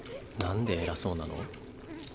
なんで偉そうなの？